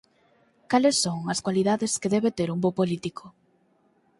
¿Cales son as cualidades que debe ter un bo político?